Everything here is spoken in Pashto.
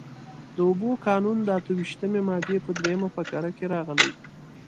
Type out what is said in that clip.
د اوبو قانون د اته ویشتمې مادې په درېیمه فقره کې راغلي.